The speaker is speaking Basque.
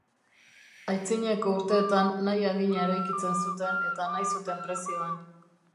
Aitzineko urteetan nahi adina eraikitzen zuten eta nahi zuten prezioan.